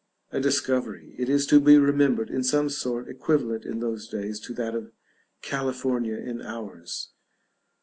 a discovery, it is to be remembered, in some sort equivalent in those days to that of California in ours.